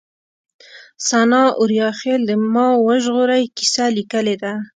سناء اوریاخيل د ما وژغورئ کيسه ليکلې ده